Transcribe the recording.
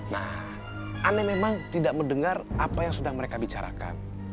nah anda memang tidak mendengar apa yang sudah mereka bicarakan